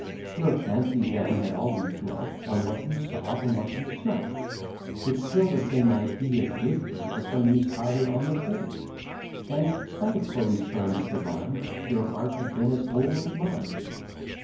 Your fancy then had always dwelt On what you saw and what you smelt; Would still the same ideas give ye, As when you spy'd her on the privy; And, spite of Chloe's charms divine, Your heart had been as whole as mine.